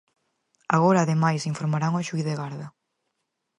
Agora, ademais, informarán o xuíz de garda.